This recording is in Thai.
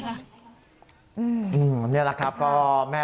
เขามองเรื่องนี้ไงคะ